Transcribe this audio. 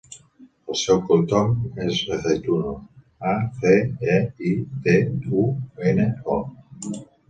El cognom és Aceituno: a, ce, e, i, te, u, ena, o.